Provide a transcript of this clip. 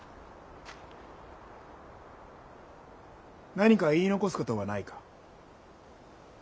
何か言い残すことはないか。